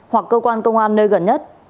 hoặc cơ quan công an nơi gần nhất